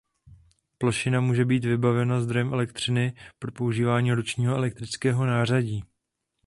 Plošina může být vybavena zdrojem elektřiny pro používání ručního elektrického nářadí.